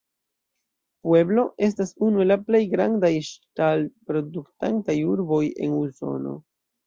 Pueblo estas unu el la plej grandaj ŝtal-produktantaj urboj en Usono.